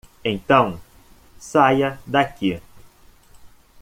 Então saia daqui.